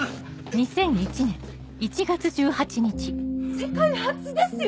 世界初ですよ！